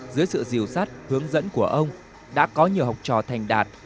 dưới sự diều sắt hướng dẫn của ông đã có nhiều học trò thành đạt